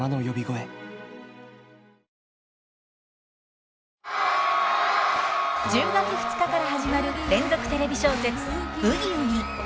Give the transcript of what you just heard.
いや１０月２日から始まる連続テレビ小説「ブギウギ」。